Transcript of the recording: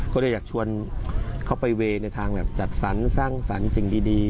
ก็เลยอยากชวนเขาไปเวย์ในทางแบบจัดสรรสร้างสรรค์สิ่งดี